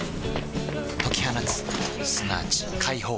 解き放つすなわち解放